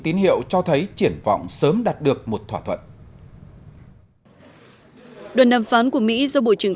tín hiệu cho thấy triển vọng sớm đạt được một thỏa thuận đoàn đàm phán của mỹ do bộ trưởng